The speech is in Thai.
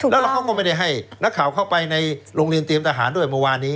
แล้วเขาก็ไม่ได้ให้นักข่าวเข้าไปในโรงเรียนเตรียมทหารด้วยเมื่อวานนี้